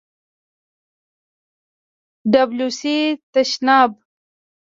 🚾 تشناب